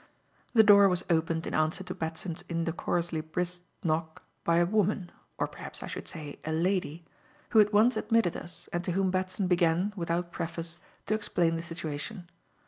The door was opened in answer to Batson's indecorously brisk knock by a woman or perhaps I should say a lady who at once admitted us and to whom Batson began, without preface, to explain the situation.